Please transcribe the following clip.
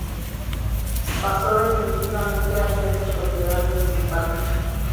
Pasó definitivamente a ser de propiedad municipal.